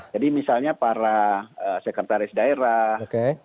jadi misalnya para sekretaris daerah